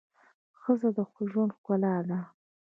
ښځه د ژوند ښکلا ده